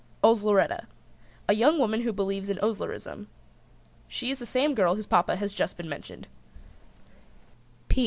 OSLERETTA. A young woman who believes in Oslerism. She is the same girl whose Papa has just been mentioned.